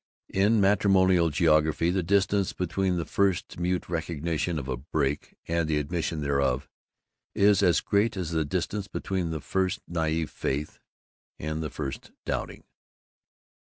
In matrimonial geography the distance between the first mute recognition of a break and the admission thereof is as great as the distance between the first naïve faith and the first doubting.